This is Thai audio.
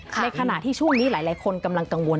ในขณะที่ช่วงนี้หลายคนกำลังกังวล